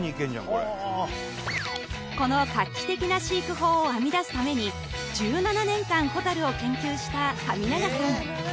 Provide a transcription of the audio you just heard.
これこの画期的な飼育法を編み出すために１７年間ホタルを研究した神長さん